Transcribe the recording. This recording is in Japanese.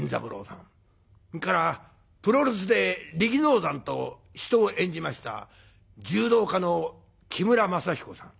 それからプロレスで力道山と死闘を演じました柔道家の木村政彦さん。